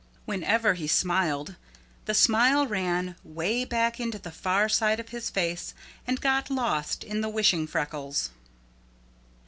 Whenever he smiled the smile ran way back into the far side of his face and got lost in the wishing freckles.